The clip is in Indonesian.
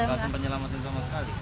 enggak sempat menyelamatkan sama sekali